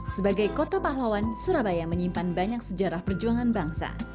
sebagai kota pahlawan surabaya menyimpan banyak sejarah perjuangan bangsa